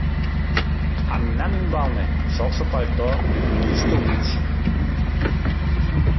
А мемнан ӱмбалне — шокшо пальто, вуйышто упш.